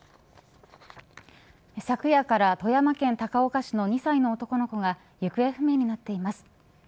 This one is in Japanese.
昨夜から富山県高岡市の２歳の男の子が行方不明になっています。